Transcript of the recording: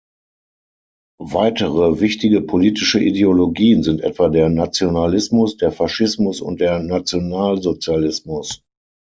Weitere wichtige politische Ideologien sind etwa der Nationalismus, der Faschismus und der Nationalsozialismus.